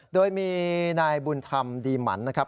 โดยมีนายบุญธรรมดีหมันนะครับ